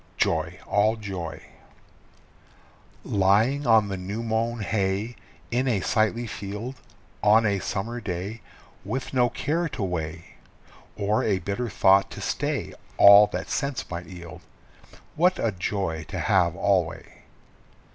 JOY, ALL JOY. Lying on the new mown hay, in a sightly field, On a summer day, With no care to weigh, Or a bitter thought to stay all that sense might yield What a joy to have alway!